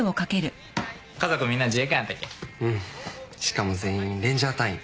しかも全員レンジャー隊員。